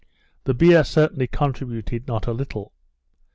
The beer certainly contributed not a little.